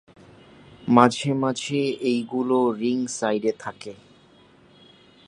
মাঝেমাঝে এগুলো রিং সাইডে থাকে।